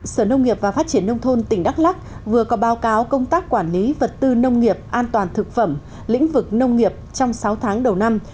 sở nông nghiệp và phát triển nông thôn tỉnh đắk lắc vừa có báo cáo công tác quản lý vật tư nông nghiệp an toàn thực phẩm lĩnh vực nông nghiệp trong sáu tháng đầu năm